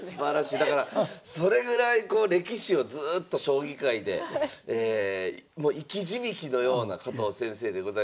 だからそれぐらいこう歴史をずっと将棋界で生き字引のような加藤先生でございますが。